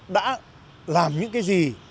đã làm những cái gì